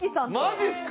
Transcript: マジっすか？